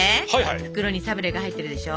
袋にサブレが入ってるでしょ。